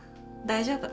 大丈夫。